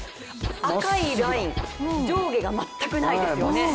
赤いライン、上下が全くないですよね。